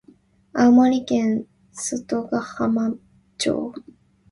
青森県外ヶ浜町